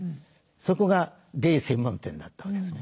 そこがゲイ専門店だったわけですね。